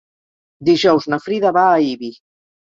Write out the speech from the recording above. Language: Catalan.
Dijous na Frida va a Ibi.